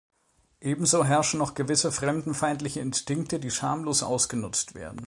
Ebenso herrschen noch gewisse fremdenfeindliche Instinkte, die schamlos ausgenutzt werden.